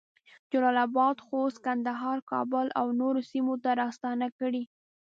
جلال اباد، خوست، کندهار، کابل اونورو سیمو ته راستنه کړې